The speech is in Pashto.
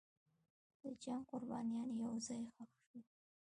د جنګ قربانیان یو ځای ښخ شول.